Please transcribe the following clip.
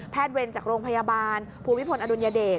แพทย์เวรจากโรงพยาบาลภูพิษภนอดุญเดต